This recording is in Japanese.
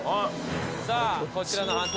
さあこちらの判定